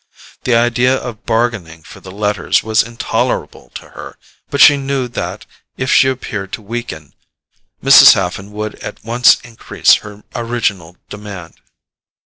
The idea of bargaining for the letters was intolerable to her, but she knew that, if she appeared to weaken, Mrs. Haffen would at once increase her original demand.